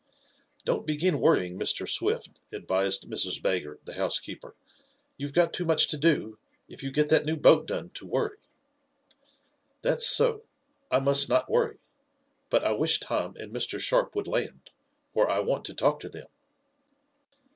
"Don't begin worrying, Mr. Swift," advised Mrs. Baggert, the housekeeper. "You've got too much to do, if you get that new boat done, to worry." "That's so. I must not worry. But I wish Tom and Mr. Sharp would land, for I want to talk to them."